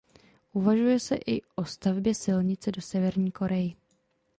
Uvažuje se i o stavbě silnice do Severní Koreji.